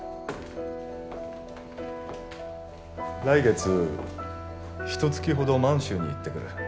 来月ひとつきほど満洲に行ってくる。